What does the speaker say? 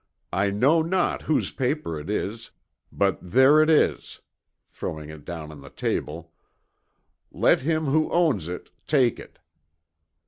I know not whose paper it is, but there it is (throwing it down on the table), let him who owns it take it.'